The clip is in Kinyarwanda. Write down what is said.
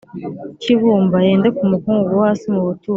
cy ibumba yende ku mukungugu wo hasi mu buturo